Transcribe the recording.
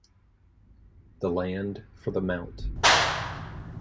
The land for the Mt.